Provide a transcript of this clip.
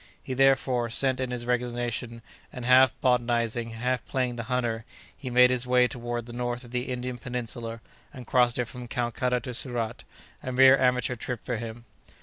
He, therefore, sent in his resignation, and half botanizing, half playing the hunter, he made his way toward the north of the Indian Peninsula, and crossed it from Calcutta to Surat—a mere amateur trip for him.